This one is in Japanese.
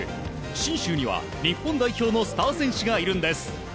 信州には、日本代表のスター選手がいるんです。